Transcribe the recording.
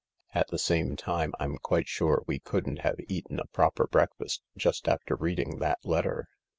At the same time, I'm quite sure we couldn't have eaten a proper breakfast just after reading that letter."